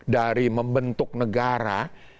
dari membentuk negara